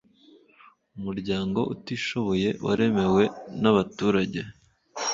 umuryango utishoboye waremewe na abaturage